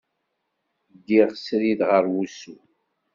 Ddiɣ srid ɣer wusu.